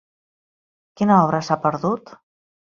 Quina obra s'ha perdut?